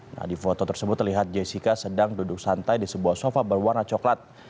nah di foto tersebut terlihat jessica sedang duduk santai di sebuah sofa berwarna coklat